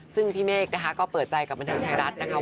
ซึ่งพี่เมฆนะคะก็เปิดใจกับบันเทิงไทยรัฐนะคะ